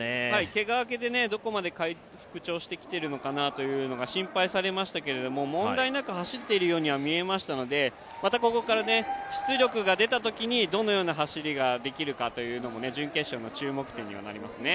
けが明けでどこまで復調してきているのかなというのが心配されましたけど問題なく走っているようには見えましたのでまたここから出力が出たときにどのような走りができるかというのも準決勝の注目点にはなりますね。